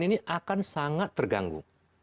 ini akan sangat terganggu